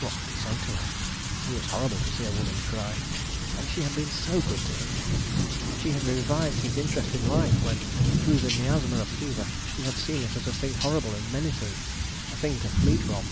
What could he say to her? ... It was horrible to see a woman cry. And she had been so good to him. She had revived his interest in life when through the miasma of fever he had seen it as a thing horrible and menacing, a thing to flee from.